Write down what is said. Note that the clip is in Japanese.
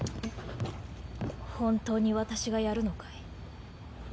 本当に私がやるのかい？